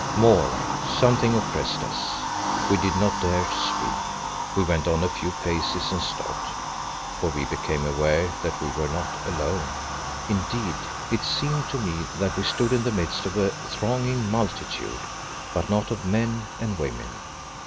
More, something oppressed us; we did not dare to speak. We went on a few paces and stopped, for we became aware that we were not alone. Indeed, it seemed to me that we stood in the midst of a thronging multitude, but not of men and women.